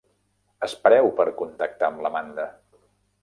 Espereu per contactar amb l'Amanda.